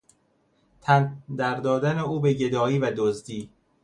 تن در دادن او به گدایی و دزدی